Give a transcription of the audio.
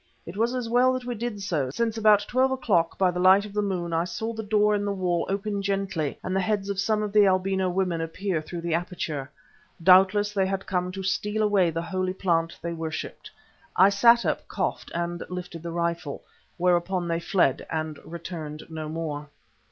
It was as well that we did so, since about twelve o'clock by the light of the moon I saw the door in the wall open gently and the heads of some of the albino women appear through the aperture. Doubtless, they had come to steal away the holy plant they worshipped. I sat up, coughed, and lifted the rifle, whereon they fled and returned no more.